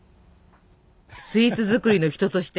スイーツ作りの人として。